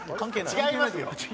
違います？